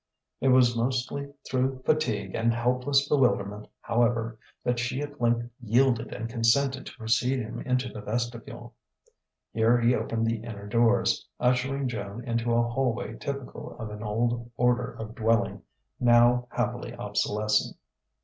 It was mostly through fatigue and helpless bewilderment, however, that she at length yielded and consented to precede him into the vestibule. Here he opened the inner doors, ushering Joan into a hallway typical of an old order of dwelling, now happily obsolescent.